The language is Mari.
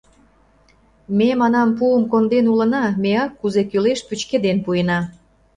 Ме, — манам, — пуым конден улына, меак, кузе кӱлеш, пӱчкеден пуэна.